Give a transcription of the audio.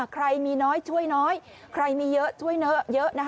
ใครมีน้อยช่วยน้อยใครมีเยอะช่วยเยอะ